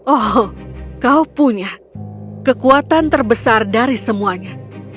oh kau punya kekuatan terbesar dari semuanya